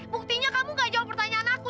buktinya kamu gak jawab pertanyaan aku